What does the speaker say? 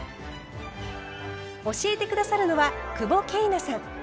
教えて下さるのは久保桂奈さん。